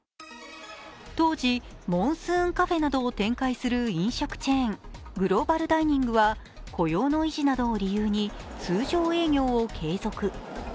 当時、モンスーンカフェなどを展開する飲食チェーングローバルダイニングは雇用の維持などを理由に通常営業を継続。